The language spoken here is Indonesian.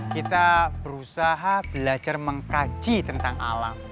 kita berusaha belajar mengkaji tentang alam